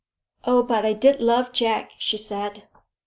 "Oh, but I did love Jack," she said.